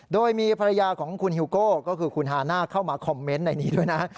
โดยมีภรรยาของคุณฮิวโก้ก็คือคุณฮาน่าเข้ามาคอมเมนต์ในนี้ด้วยนะ